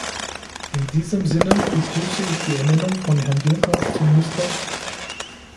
In diesem Sinne begrüße ich die Ernennung von Herrn Juncker zum "Mr.